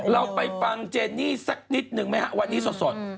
เราไปฟังเจนี่สักนิดนึงไหมฮะวันนี้สด